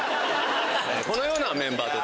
このようなメンバーで。